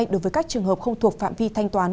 đối với các trường hợp không thuộc phạm vi thanh toán